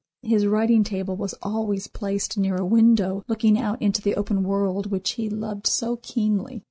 His writing table was always placed near a window looking out into the open world which he loved so keenly.